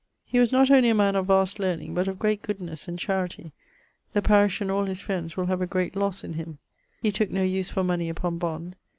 He was not only a man of vast learning, but of great goodnes and charity; the parish and all his friends will have a great losse in him. He tooke no use for money upon bond.